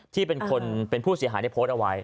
ที่เป็นผู้เสียหายในโพสเอาไว้